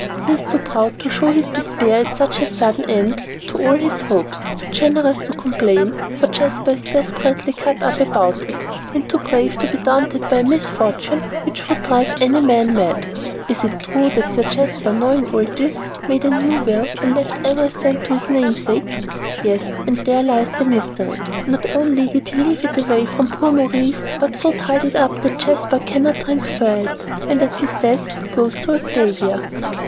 He is too proud to show his despair at such a sudden end to all his hopes, too generous to complain, for Jasper is desperately cut up about it, and too brave to be daunted by a misfortune which would drive many a man mad." "Is it true that Sir Jasper, knowing all this, made a new will and left every cent to his namesake?" "Yes, and there lies the mystery. Not only did he leave it away from poor Maurice, but so tied it up that Jasper cannot transfer it, and at his death it goes to Octavia."